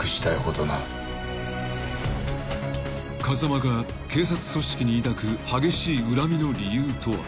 ［風間が警察組織に抱く激しい恨みの理由とは？］